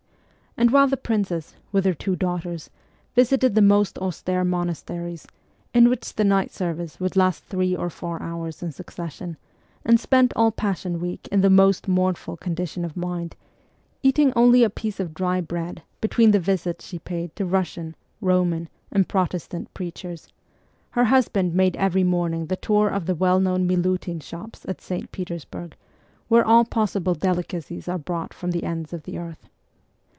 And while the princess, with her two daughters, visited the most austere monasteries, in which the night service would last three or four hours in succession, and spent all Passion Week in the most mournful condition of mind, eating only a piece of dry bread between the visits she paid to Russian, Roman, and Protestant preachers, her husband made every morning the tour of the well known Milutin shops at St. Petersburg, where all possible delicacies are brought from the ends of the earth.